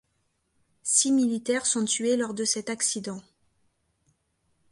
Six militaires sont tués lors de cet accident.